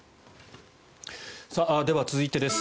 では、続いてです。